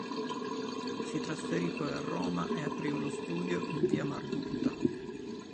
Si trasferì poi a Roma e aprì uno studio in via Margutta.